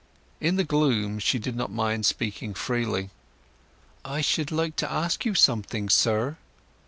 In the gloom she did not mind speaking freely. "I should like to ask you something, sir."